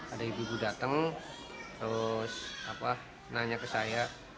ada ibu ibu datang terus nanya ke saya